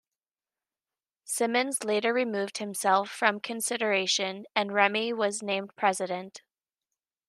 Simmons later removed himself from consideration and Remy was named president.